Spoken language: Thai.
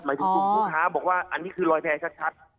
หมายถึงคุณค้าบอกว่าอันนี้คือรอยแพร่ชัดชัด